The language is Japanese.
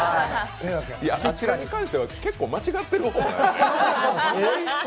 あちらに関しては結構間違ってる方なので。